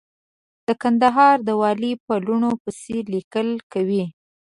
د کندهار د والي په لوڼو پسې ليکل کوي.